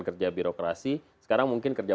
kerja birokrasi sekarang mungkin kerja